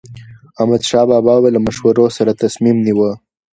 احمدشاه بابا به له مشورو سره تصمیم نیوه.